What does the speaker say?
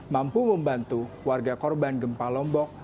mampu membantu warga korban gempa lombok